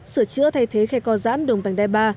sửa chữa thay thế khe co giãn đường vành đai ba